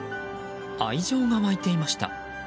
愛情が湧いていました。